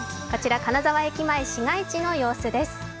こちら金沢駅前市街地の様子です。